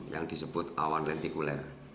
yang disebut awan lentikuler